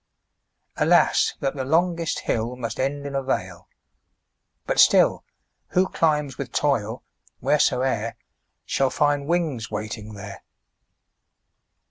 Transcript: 20 Alas, that the longest hill Must end in a vale; but still, Who climbs with toil, wheresoe'er, Shall find wings waiting there.